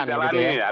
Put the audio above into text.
tidak usah dijalani